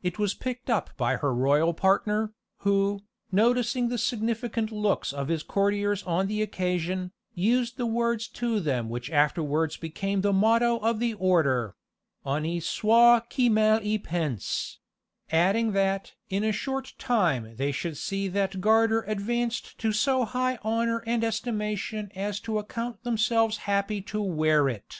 It was picked up by her royal partner, who, noticing the significant looks of his courtiers on the occasion, used the words to them which afterwards became the motto of the Order "Honi soit qui mal y pense;" adding that "in a short time they should see that garter advanced to so high honour and estimation as to account themselves happy to wear it."